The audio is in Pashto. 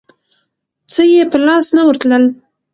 څه یې په لاس نه ورتلل.